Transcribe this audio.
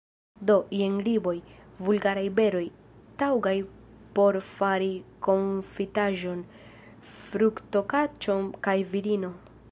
Do, jen riboj, vulgaraj beroj, taŭgaj por fari konfitaĵon, fruktokaĉon kaj vinon.